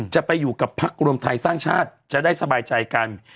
จะไปอยู่กับพักรวมไทยสร้างชาติจะได้สบายใจกัน